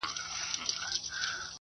• توري سترګي غړوې چي چي خوني نه سي,